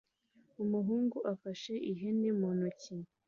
umuhungu afashe ihene mu ntoki